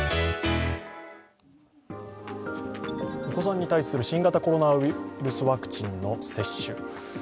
お子さんに対する新型コロナウイルスワクチンの接種。